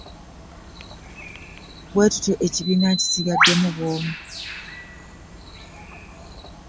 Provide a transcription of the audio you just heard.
Bwentyo ekibiina nkisigaddemu bwomu .